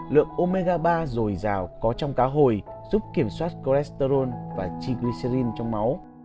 lượng omega ba dồi dào có trong cá hồi giúp kiểm soát cholesterol và chigricen trong máu